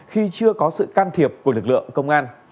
khi chưa có sự can thiệp của lực lượng công an